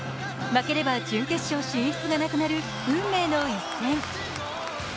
負ければ準決勝進出がなくなる運命の一戦。